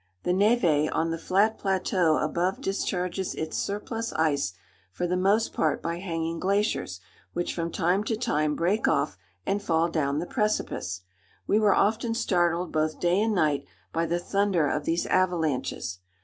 The névé on the flat plateau above discharges its surplus ice for the most part by hanging glaciers, which from time to time break off and fall down the precipice. We were often startled both day and night by the thunder of these avalanches.